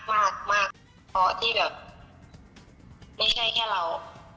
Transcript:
เพราะที่แบบไม่ใช่แค่เรา